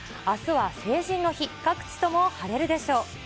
あすは成人の日、各地とも晴れるでしょう。